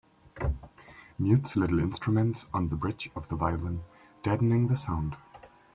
Mutes little instruments on the bridge of the violin, deadening the sound